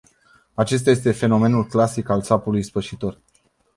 Acesta este fenomenul clasic al țapului ispășitor.